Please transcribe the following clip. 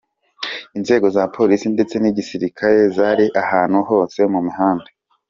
Inzego za Polisi ndetse n’Igisirikare zari ahantu hose mu mihanda.